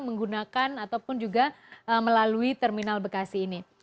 menggunakan ataupun juga melalui terminal bekasi ini